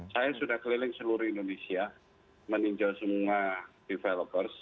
saya sudah keliling seluruh indonesia meninjau semua developers